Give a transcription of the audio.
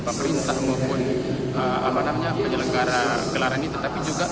pemerintah maupun penyelenggara gelaran ini